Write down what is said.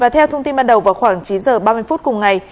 theo thông tin ban đầu vào khoảng chín h ba mươi phút cùng ngày